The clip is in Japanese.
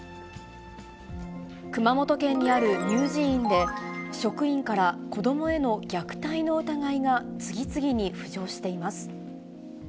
熊本県にある乳児院で、職員から子どもへの虐待の疑いが次々に浮上しています。